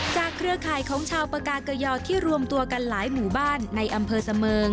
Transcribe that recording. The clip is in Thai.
เครือข่ายของชาวปากาเกยอที่รวมตัวกันหลายหมู่บ้านในอำเภอเสมิง